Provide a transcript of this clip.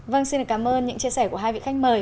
vâng xin cảm ơn những chia sẻ của hai vị khách mời